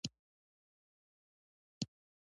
• لور د عزت، غیرت او شرافت نښه ده.